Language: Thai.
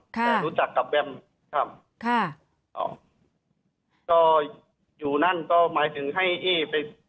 แต่รู้จักกับแวมครับค่ะก็อยู่นั่นก็หมายถึงให้ที่ไป